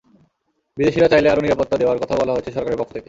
বিদেশিরা চাইলে আরও নিরাপত্তা দেওয়ার কথাও বলা হয়েছে সরকারের পক্ষ থেকে।